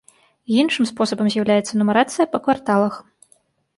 Іншым спосабам з'яўляецца нумарацыя па кварталах.